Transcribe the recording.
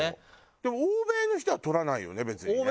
でも欧米の人は取らないよね別にね。